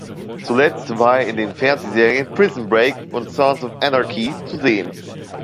Zuletzt war er in den Fernsehserien "Prison Break" und "Sons of Anarchy" zu sehen.